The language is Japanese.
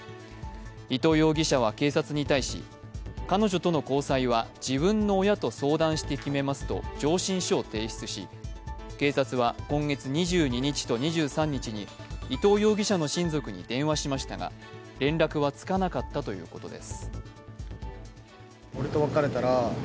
伊藤容疑者は警察に対し彼女との交際は自分の親と相談して決めますと上申書を提出し警察は今月２２日と２３日に伊藤容疑者の親族に電話しましたが、連絡はつかなかったということです。